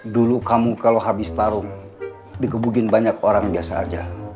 dulu kamu kalau habis tarung dikebukin banyak orang biasa aja